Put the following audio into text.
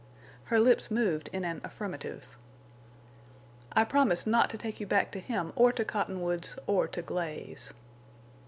Her lips moved in an affirmative. "I promise not to take you back to him or to Cottonwoods or to Glaze."